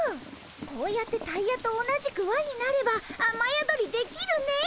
こうやってタイヤと同じくわになればあまやどりできるねえ。